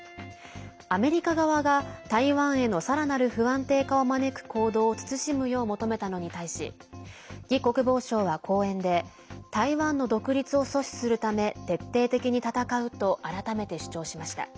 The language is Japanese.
アメリカ側が、台湾へのさらなる不安定化を招く行動を慎むよう求めたのに対し魏国防相は講演で台湾の独立を阻止するため徹底的に闘うと改めて主張しました。